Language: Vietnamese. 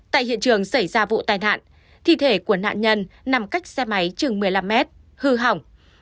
tại hiện trường xảy ra vụ tai nạn thi thể của nạn nhân nằm cách xe máy chừng một mươi năm mét hư hỏng